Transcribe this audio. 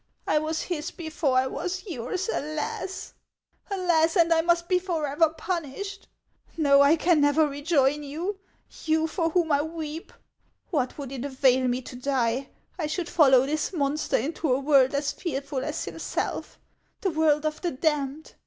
I was his before I was yours, alas ! Alas ! and I must be forever punished. No, I can never rejoin you, — you for whom I weep. What would it avail me to die ? I should follow this monster into a world as fearful as himself, — the world of the damned!